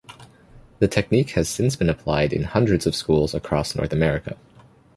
The technique has since been applied in hundreds of schools across North America.